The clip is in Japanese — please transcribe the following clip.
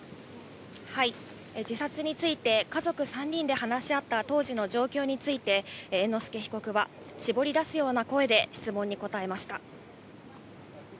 自殺について、家族３人で話し合った当時の状況について、猿之助被告は、絞り出すような声で質問に答えました。